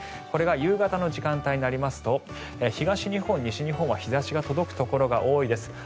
これが夕方の時間帯になりますと東日本、西日本は日差しが届くところが多そうです。